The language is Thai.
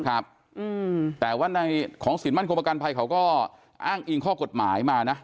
แต่ว่าในของสินมั่นคงประกันภัยเขาก็อ้างอิงข้อกฎหมายมานะ